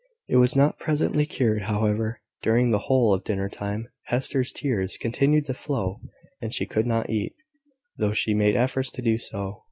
It was not presently cured, however. During the whole of dinner time, Hester's tears continued to flow; and she could not eat, though she made efforts to do so.